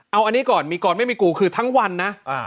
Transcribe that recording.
เอาอันนี้ก่อนมีกรไม่มีกูคือทั้งวันนะ